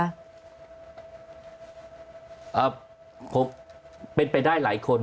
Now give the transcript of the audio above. ผมเป็นไปได้หลายคน